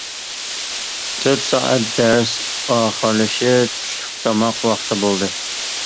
تۆت سائەت دەرس ئاخىرلىشىپ چۈشلۈك تاماق ۋاقتى بولدى.